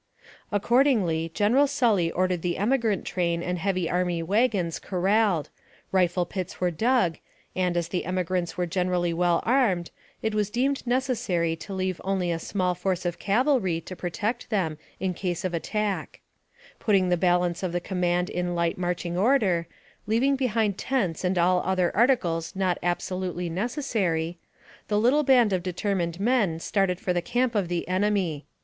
Accordingly, General Sully ordered the em igrant train and heavy army wagons corralled, rifle pits were dug, and, as the emigrants were generally well armed, it was deemed necessary to leave only a small force of cavalry to protect them in case of at tack. 260 NARRATIVE OF CAPTIVITY Putting the balance of the command in light march ing order, leaving behind tents and all other articles not absolutely necessary, the little band of determined men started for the camp of the enemy.